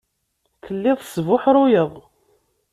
Telliḍ tesbuḥruyeḍ.